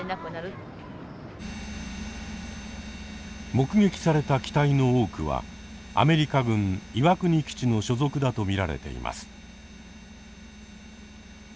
目撃された機体の多くはアメリカ軍岩国基地の所属だと見られています。